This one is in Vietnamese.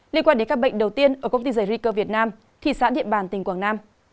liên quan đến các bệnh đầu tiên ở công ty giải ri cơ việt nam thị xã điện bàn tỉnh quảng nam